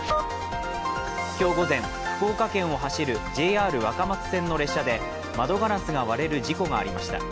今日午前、福岡県を走るＪＲ若松線の列車で窓ガラスが割れる事故がありました。